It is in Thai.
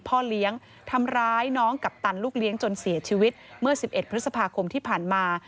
พ่อเลี้ยงทำร้ายน้องกัปตันลูกเลี้ยงจนเสียชีวิตเมื่อ๑๑พฤษภาคมที่ผ่านมา